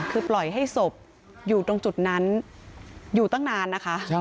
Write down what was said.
คือปล่อยให้ศพอยู่ตรงจุดนั้นอยู่ตั้งนานนะคะ